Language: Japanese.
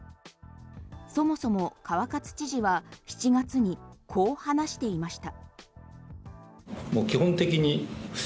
そもそも川勝知事は７月にこう話していました。